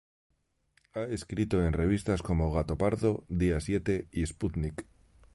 Ha escrito en revistas como "Gatopardo", "Día siete" y "Sputnik".